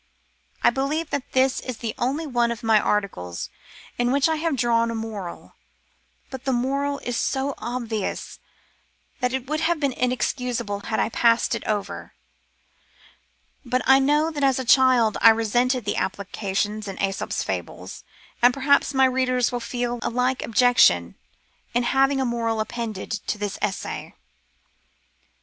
I believe that this is the only one of my articles in which I have drawn a moral, but the moral is so obvious that it would have been inexcusable had I passed it over. But I know that as a child I resented the applications in jfEsofs Fables^ and perhaps my reader will feel a like objection to having a moral appended to this essay.